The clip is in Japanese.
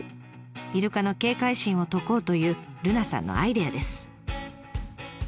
イルカの警戒心を解こうという瑠奈さんのアイデアです。